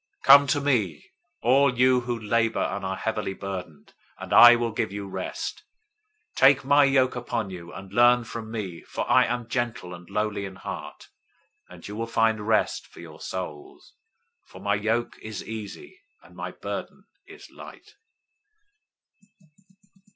011:028 "Come to me, all you who labor and are heavily burdened, and I will give you rest. 011:029 Take my yoke upon you, and learn from me, for I am gentle and lowly in heart; and you will find rest for your souls. 011:030 For my yoke is easy, and my burden is light."